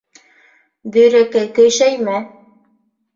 Бөйрәкәй көйшәйме?